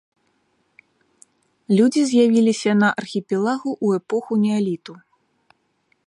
Людзі з'явіліся на архіпелагу ў эпоху неаліту.